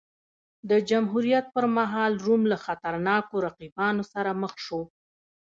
د جمهوریت پرمهال روم له خطرناکو رقیبانو سره مخ شو.